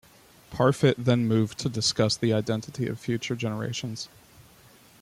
Parfit then moved to discuss the identity of future generations.